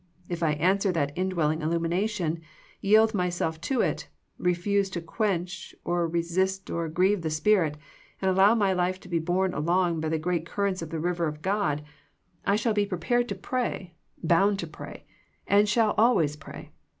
If I answer that indwelling illumination, yield myself to it, refuse to quench, or resist or grieve the Spirit, and allow my life to be borne along by the great currents of the river of God, I shall THE PEEPAKATIO:^^ FOE PEAYER 49 be prepared to pray, bound to pray, and shall al ways pray.